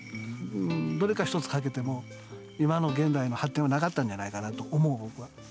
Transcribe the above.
どれか一つ欠けても今の現代の発展はなかったんじゃないかなと思う僕は。